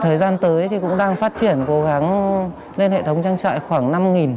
thời gian tới thì cũng đang phát triển cố gắng lên hệ thống trang trại khoảng năm